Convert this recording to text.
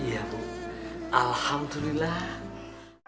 iya bu alhamdulillah